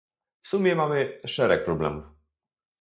W sumie mamy szereg problemów